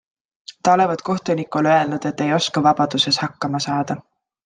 Ta olevat kohtunikule öelnud, et ei oska vabaduses hakkama saada.